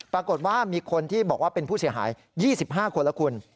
ปรากฏว่ามีคนที่บอกว่าเป็นผู้เสียหาย๒๕คนแล้วคุณ